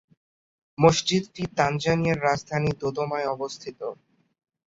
মসজিদটি তানজানিয়ার রাজধানী দোদোমায় অবস্থিত।